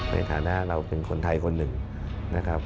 ในฐานะเราเป็นคนไทยคนหนึ่งนะครับ